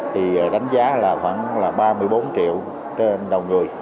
thì đánh giá là khoảng là ba mươi bốn triệu đồng người